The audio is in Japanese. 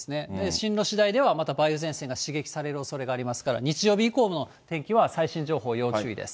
進路しだいでは、また梅雨前線が刺激されるおそれがありますから、日曜日以降の天気は最新情報要注意です。